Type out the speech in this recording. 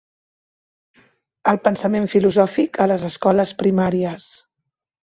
El pensament filosòfic a les escoles primàries.